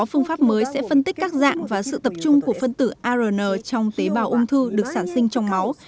phương pháp mới sẽ phân tích các dạng và sự tập trung của phân tử arn trong tế bào ung thư được sản sinh trong máu